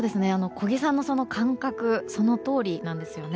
小木さんのその感覚その通りなんですよね。